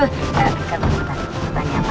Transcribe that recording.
eh kita tanya tanya dulu ya